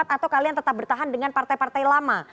atau kalian tetap bertahan dengan partai partai lama